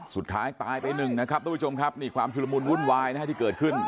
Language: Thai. สุดท้ายตายไปหนึ่งนะครับทุกผู้ชมครับนี่ความชุดละมุนวุ่นวายนะฮะที่เกิดขึ้น